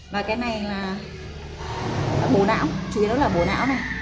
và cái này là bổ não chủ yếu đó là bổ não này